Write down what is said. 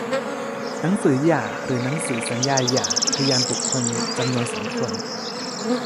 หนังสือหย่าหรือหนังสือสัญญาหย่า พยานบุคคลจำนวน สอง คน